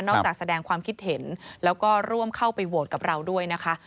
จากแสดงความคิดเห็นแล้วก็ร่วมเข้าไปโหวตกับเราด้วยนะคะ